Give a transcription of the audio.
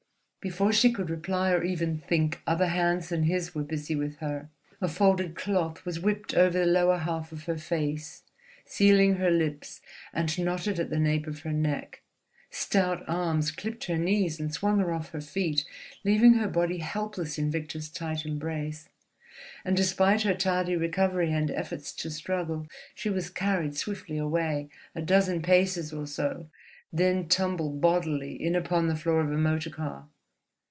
Before she could reply or even think, other hands than his were busy with her. A folded cloth was whipped over the lower half of her face, sealing her lips, and knotted at the nape of her neck. Stout arms clipped her knees and swung her off her feet, leaving her body helpless in Victor's tight embrace. And despite her tardy recovery and efforts to struggle, she was carried swiftly away, a dozen paces or so, then tumbled bodily in upon the floor of a motor car.